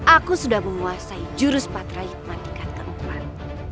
aku sudah memuasai jurus patraikmat tingkat keempat